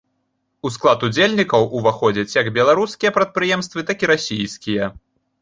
У склад удзельнікаў ўваходзяць як беларускія прадпрыемствы, так і расійскія.